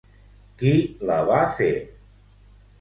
Qui la va fer?